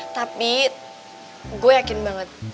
tapi gua yakin banget